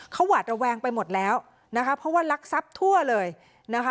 เขาหวาดระแวงไปหมดแล้วนะคะเพราะว่ารักทรัพย์ทั่วเลยนะคะ